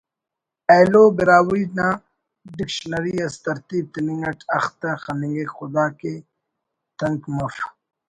ایلو براہوئی نا ڈکشنری اس ترتیب تننگ اٹ اختہ خننگک خداکے کہ تنک مف